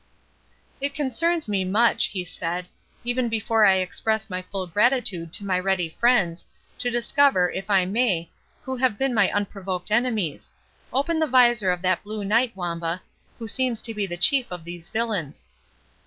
"It concerns me much," he said, "even before I express my full gratitude to my ready friends, to discover, if I may, who have been my unprovoked enemies.—Open the visor of that Blue Knight, Wamba, who seems the chief of these villains."